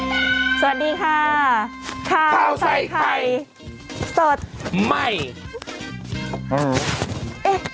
อ้าวสวัสดีค่ะขาขาวใส่ไข่สดไม่เอ่ะ